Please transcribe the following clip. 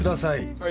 はい。